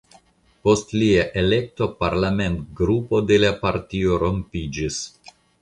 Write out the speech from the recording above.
Post lia elekto parlamentgrupo de la partio rompiĝis.